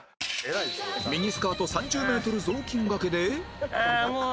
ミニスカート３０メートル雑巾掛けで